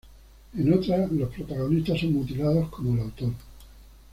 En otras los protagonistas son mutilados, como el autor.